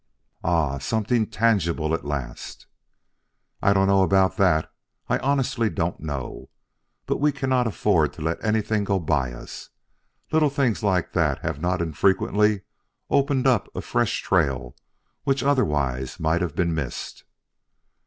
"Ah, something tangible at last!" "I don't know about that; I honestly don't know. But we cannot afford to let anything go by us. Little things like that have not infrequently opened up a fresh trail which otherwise might have been missed."